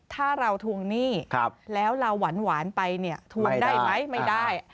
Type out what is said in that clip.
ถ้าเราทวงหนี้แล้วเราหวานไปเนี่ยทวงได้ไหมไม่ได้